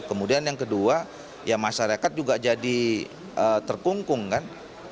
kemudian yang kedua ya masyarakat juga jadi terkungkung kan